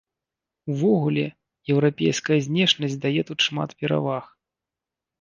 Увогуле, еўрапейская знешнасць дае тут шмат пераваг.